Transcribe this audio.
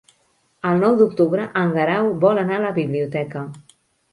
El nou d'octubre en Guerau vol anar a la biblioteca.